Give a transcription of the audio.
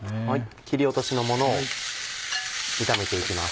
切り落としのものを炒めていきます。